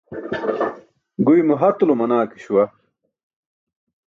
Guymo hatulo manaa ke śuwa.